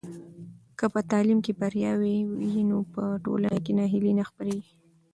که په تعلیم کې بریا وي نو په ټولنه کې ناهیلي نه خپرېږي.